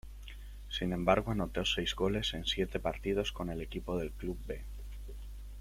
Sin embargo, anotó seis goles en siete partidos con el equipo del club 'B'.